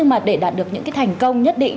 và để đạt được những thành công nhất định